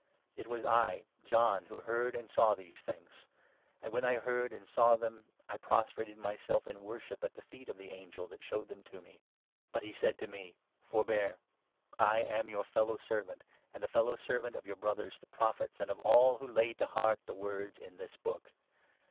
It was I, John, who heard and saw these things ; and, when 8 I heard and saw them, I prostrated myself in worship at the feet of the angel that showed them to me. But he said to 9 me —' Forbear ; I am your fellow servant, and the fellow servant of your Brothers, the Prophets, and of all who lay to heart the words in this book.